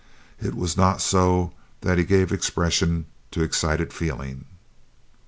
It was not so that he gave expression to excited feeling."